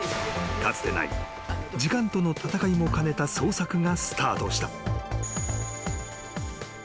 ［かつてない時間との闘いも兼ねた捜索がスタートした］